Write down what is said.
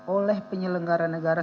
oleh penyelenggara negara